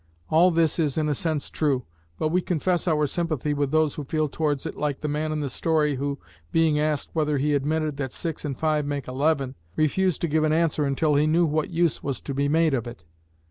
All this is, in a sense, true: but we confess our sympathy with those who feel towards it like the man in the story, who being asked whether he admitted that six and five make eleven, refused to give an answer until he knew what use was to be made of it.